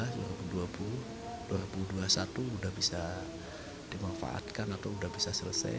dua ribu sembilan belas dua ribu dua puluh dua ribu dua puluh satu sudah bisa dimanfaatkan atau sudah bisa selesai